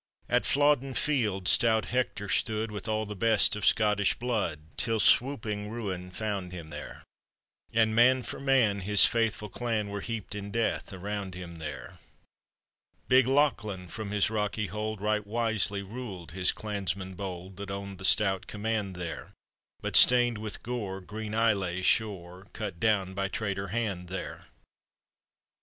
At Flodden field stout Hector stood, With all the best of Scottish blood, Till swooping ruin found him there! And man for man his faithful clan, Were heaped in death around him there! Big Lachlan from his rocky hold Right wisely ruled his clansmen bold. That owned the stout command there, But stained with gore green Islay's shore, Cut down by traitor hand there!